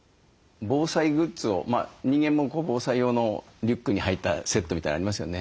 防災グッズを人間も防災用のリュックに入ったセットみたいなのありますよね。